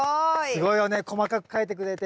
すごいよね細かく書いてくれて。